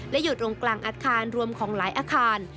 และอยู่ตรงกลางอาคารรวมของหลายอาคาร